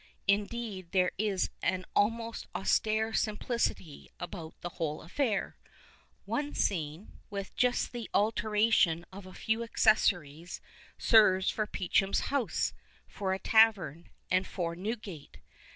Indeed, there is an almost austere simplicity about the whole affair. One scene, with just the alteration of a few accessories, serves for Peachum's house, for a tavern, and for Newgate.